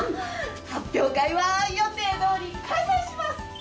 発表会は予定どおり開催します！